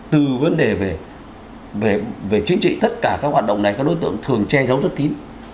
từ vấn đề về chính trị tất cả các hoạt động này các đối tượng thường che giấu rất kín